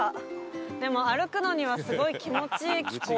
でも歩くのにはすごい気持ちいい気候ですね。